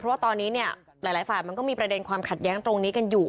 เพราะว่าตอนนี้เนี่ยหลายฝ่ายมันก็มีประเด็นความขัดแย้งตรงนี้กันอยู่